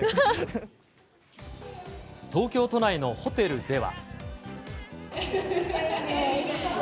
東京都内のホテルでは。